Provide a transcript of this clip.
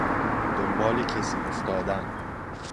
دنبال کسی افتادن